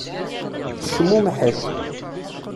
Tecmumeḥ-d.